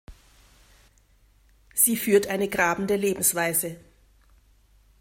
Sie führt eine grabende Lebensweise.